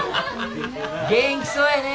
元気そうやね！